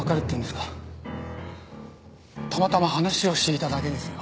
たまたま話をしていただけですよ。